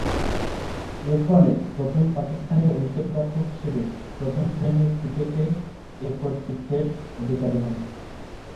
এরফলে, প্রথম পাকিস্তানি উইকেট-রক্ষক হিসেবে প্রথম-শ্রেণীর ক্রিকেটে এ কৃতিত্বের অধিকারী হন।